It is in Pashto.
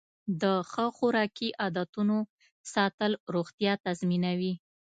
د ښه خوراکي عادتونو ساتل روغتیا تضمینوي.